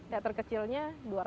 teater kecilnya dua ratus